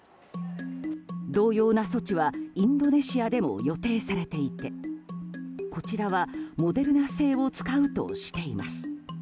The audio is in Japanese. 同様な措置はインドネシアでも予定されていてこちらはモデルナ製を使うとしています。